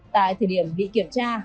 tại thời điểm bị kiểm tra